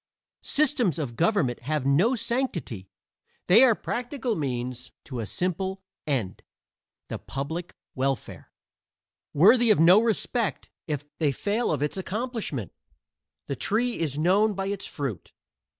Systems of government have no sanctity; they are practical means to a simple end the public welfare; worthy of no respect if they fail of its accomplishment. The tree is known by its fruit.